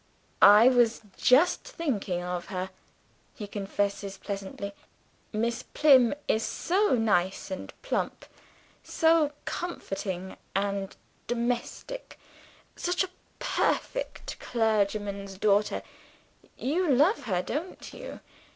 "I was just thinking of her," he confesses pleasantly; "Miss Plym is so nice and plump, so comforting and domestic such a perfect clergyman's daughter. You love her, don't you?